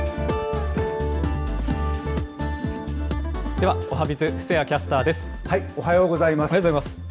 では、おはＢｉｚ、おはようございます。